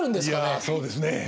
いやそうですね。